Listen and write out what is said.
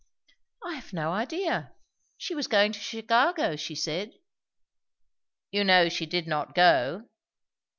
"I have no idea! She was going to Chicago, she said " "You know she did not go?"